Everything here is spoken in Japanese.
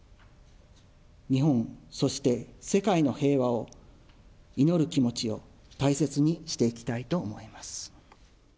日本、そして世界の平和を祈る気持ちを大切にしていきたいと思います。